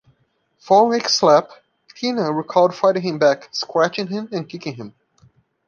Following Ike's slap, Tina recalled fighting him back, scratching him and kicking him.